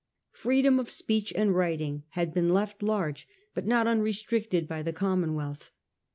Freedom of speech and writing had been left large, but not unrestricted, by the Commonwealth.